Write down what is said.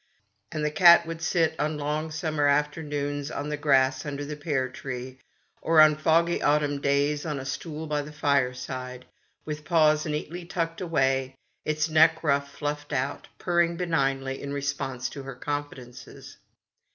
And the cat would sit on long summer afternoons on the grass under the pear tree, or on foggy autumn days on a stool by the fireside, with paws neatly tucked away, its neck ruff fluffed out, purring benignly in response to her confidences.